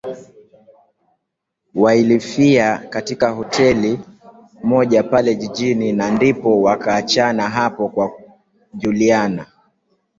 Wailifia katika hoteli moja pale jijini na ndipo wakaachana hapo na Juliana